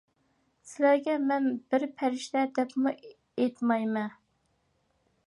سىلەرگە مەن بىر پەرىشتە دەپمۇ ئېيتمايمەن.